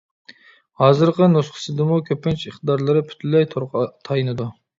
ھازىرقى نۇسخىسىدىمۇ كۆپىنچە ئىقتىدارلىرى پۈتۈنلەي تورغا تايىنىدۇ.